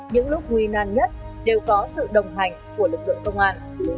những lúc nguy nan nhất đều có sự đồng hành của lực lượng công an